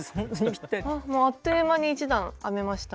もうあっという間に１段編めました。